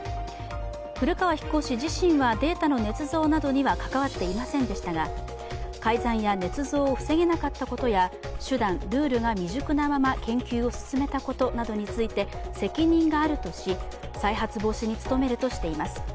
古川飛行士自身はデータのねつ造などには関わっていませんでしたが、改ざんやねつ造を防げなかったことや手段、ルールが未熟なまま研究を進めたことなどについて責任があるとし、再発防止に努めるとしています。